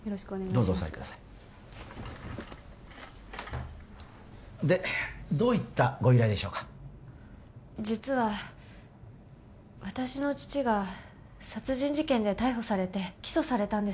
どうぞお座りくださいでどういったご依頼でしょうか実は私の父が殺人事件で逮捕されて起訴されたんです